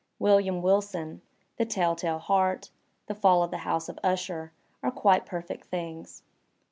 '^William Wilson," "The TeU Tale Heart," "The FaU of the House of Usher" are quite perfect things.